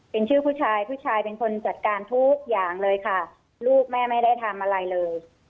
เป็นชื่อผู้ชายผู้ชายเป็นคนจัดการทุกอย่างเลยค่ะลูกแม่ไม่ได้ทำอะไรเลย